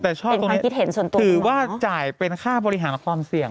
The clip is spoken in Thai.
แต่ชอบตรงนี้ถือว่าจ่ายเป็นค่าบริหารความเสี่ยง